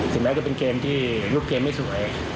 สิ่งแรกก็เป็นเกมที่ลูกเกมไม่สวย